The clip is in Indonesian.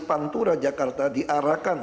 pantura jakarta diarahkan